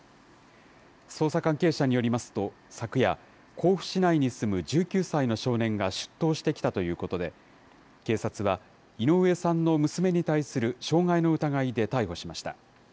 捜査関係者によりますと、昨夜、甲府市内に住む１９歳の少年が出頭してきたということで、警察は、井上さんの娘に対する傷害の疑いで逮捕しました。